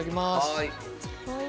はい。